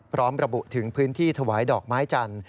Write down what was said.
พร้อมระบุถึงพื้นที่ถวายดอกไม้จันทร์